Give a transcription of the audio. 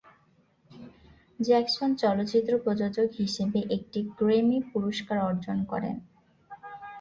Jackson চলচ্চিত্র প্রযোজক হিসেবে একটি গ্র্যামি পুরস্কার অর্জন করেন।